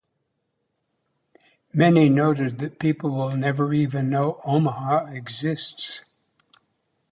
Many noted that people will never even know Omaha exists.